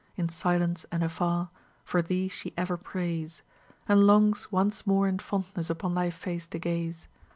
In silence and afar For thee she ever prays, And longs once more in fondness Upon thy face to gaze.